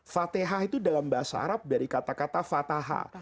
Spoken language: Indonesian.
fatihah itu dalam bahasa arab dari kata kata fatah